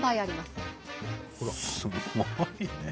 すごいね。